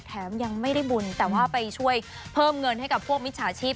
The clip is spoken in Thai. แถมยังไม่ได้บุญแต่ว่าไปช่วยเพิ่มเงินให้กับพวกมิจฉาชีพ